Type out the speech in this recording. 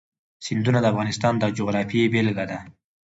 سیندونه د افغانستان د جغرافیې بېلګه ده.